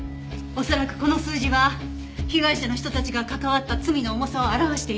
恐らくこの数字は被害者の人たちが関わった罪の重さを表しているんだと思う。